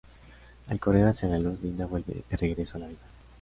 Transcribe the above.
Al correr hacía la luz, Linda vuelve de regreso a la vida.